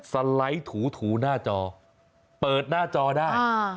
สไลด์ถูหน้าจอเปิดหน้าจอได้